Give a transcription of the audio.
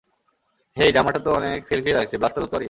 হেই, জামাটা তো অনেক সিল্কি লাগছে, ব্লাউজটা ধরতে পারি?